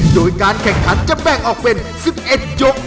โดยการแข่งขันจะแบ่งออกเป็น๑๑ยก